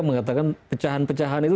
mengatakan pecahan pecahan itu